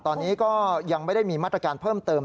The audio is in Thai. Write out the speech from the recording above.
ตอนนี้ก็ยังไม่ได้มีมาตรการเพิ่มเติม